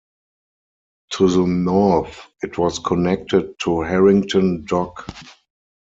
To the north it was connected to Harrington Dock.